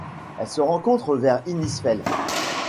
Elle se rencontre vers Innisfail.